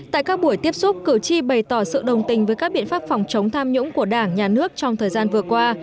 tại các buổi tiếp xúc cử tri bày tỏ sự đồng tình với các biện pháp phòng chống tham nhũng của đảng nhà nước trong thời gian vừa qua